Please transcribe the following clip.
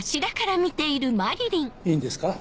いいんですか？